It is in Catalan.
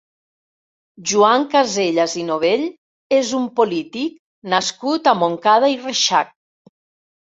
Joan Casellas i Novell és un polític nascut a Montcada i Reixac.